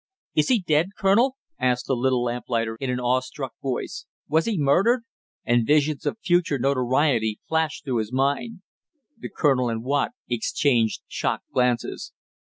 "Is he dead, Colonel?" asked the little lamplighter in an awe struck voice. "Was he murdered?" and visions of future notoriety flashed through his mind. The colonel and Watt exchanged shocked glances.